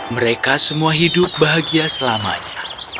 mereka semua hidup bahagia selamanya